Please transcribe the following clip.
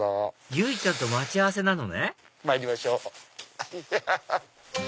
由依ちゃんと待ち合わせなのねまいりましょう！ハハハ。